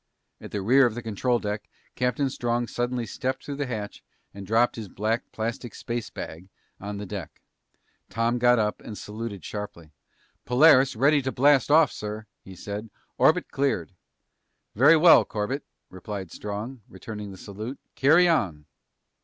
At the rear of the control deck, Captain Strong suddenly stepped through the hatch and dropped his black plastic space bag on the deck. Tom got up and saluted sharply. "Polaris ready to blast off, sir," he said. "Orbit cleared." "Very well, Corbett," replied Strong, returning the salute. "Carry on!"